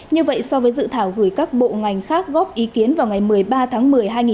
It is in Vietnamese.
như vậy so với dự thảo gửi các bộ ngành khác góp ý kiến vào ngày một mươi ba tháng một mươi hai nghìn hai mươi một